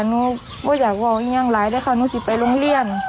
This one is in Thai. หนูก็อยากว่าอย่างไรด้วยค่ะหนูสิไปโรงเรียน